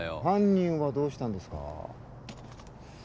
犯人はどうしたんですか？